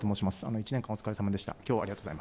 １年間お疲れさまでした。